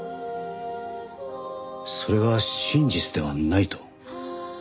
それが真実ではないと？